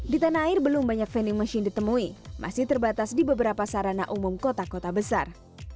di tanah air belum banyak vending machine ditemui masih terbatas di beberapa sarana umum kota kota besar